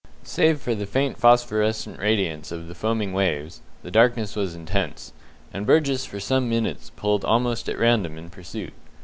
Save for the faint phosphorescent radiance of the foaming waves, the darkness was intense, and Burgess for some minutes pulled almost at random in pursuit.